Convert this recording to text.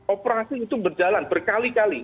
operasi itu berjalan berkali kali